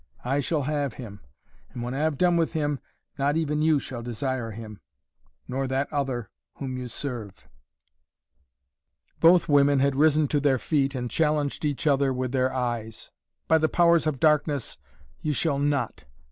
I shall have him and when I have done with him, not even you shall desire him nor that other, whom you serve " Both women had risen to their feet and challenged each other with their eyes. "By the powers of darkness, you shall not!"